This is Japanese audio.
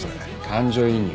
感情移入。